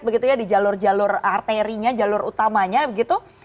begitu ya di jalur jalur arterinya jalur utamanya begitu